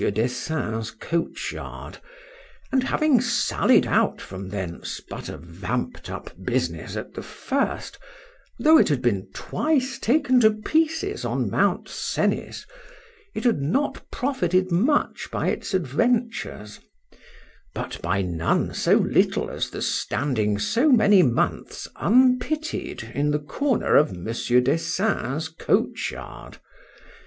Dessein's coach yard; and having sallied out from thence but a vampt up business at the first, though it had been twice taken to pieces on Mount Sennis, it had not profited much by its adventures,—but by none so little as the standing so many months unpitied in the corner of Mons. Dessein's coach yard.